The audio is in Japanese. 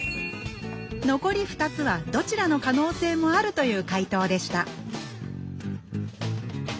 残り２つはどちらの可能性もあるという回答でした